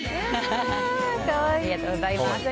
ありがとうございます。